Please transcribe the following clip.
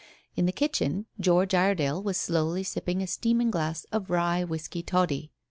In the kitchen George Iredale was slowly sipping a steaming glass of rye whisky toddy.